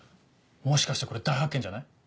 もしかしてこれ大発見じゃない？